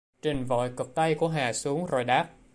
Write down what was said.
Trình vội cụp tay của Hà xuống rồi đáp